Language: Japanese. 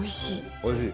おいしい。